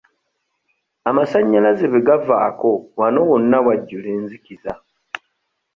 Amasannyalaze bwe gavaako wano wonna wajjula enzikiza.